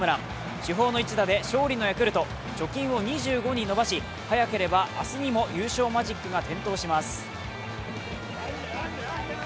主砲の一打で勝利のヤクルト貯金を２５に伸ばし早ければ明日にも優勝マジックが点灯します。